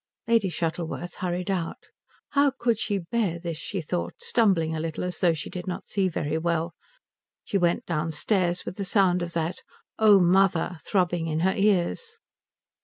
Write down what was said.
Lady Shuttleworth hurried out. How could she bear this, she thought, stumbling a little as though she did not see very well. She went downstairs with the sound of that Oh mother throbbing in her ears.